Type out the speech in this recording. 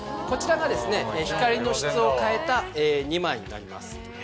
こちらがですね光の質を変えた２枚になります。